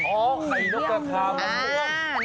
อ๋อข่ายนกกระทามันม่วง